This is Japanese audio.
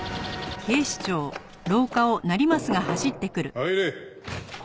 入れ。